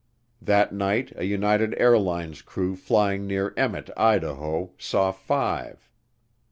That night a United Airlines crew flying near Emmett, Idaho, saw five.